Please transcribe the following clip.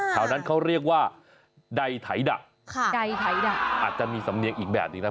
ข่าวนั้นเขาเรียกว่าใดไถดะอาจจะมีสำเนียงอีกแบบดีนะ